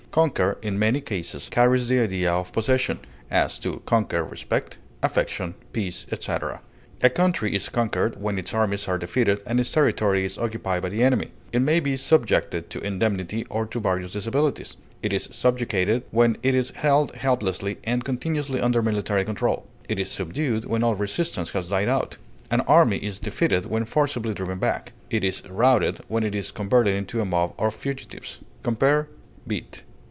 Conquer, in many cases, carries the idea of possession; as, to conquer respect, affection, peace, etc. A country is conquered when its armies are defeated and its territory is occupied by the enemy; it may be subjected to indemnity or to various disabilities; it is subjugated when it is held helplessly and continuously under military control; it is subdued when all resistance has died out. An army is defeated when forcibly driven back; it is routed when it is converted into a mob of fugitives. Compare BEAT.